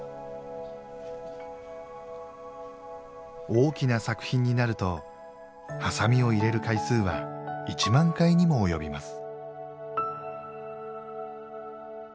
大きな作品になるとハサミを入れる回数は１万回にも及びます。